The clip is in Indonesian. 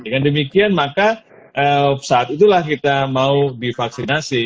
dengan demikian maka saat itulah kita mau divaksinasi